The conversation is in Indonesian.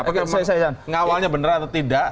apakah ngawalnya benar atau tidak